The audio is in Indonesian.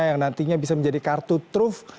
yang nantinya bisa menjadi kartu truf